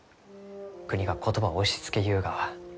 国が言葉を押しつけゆうがは。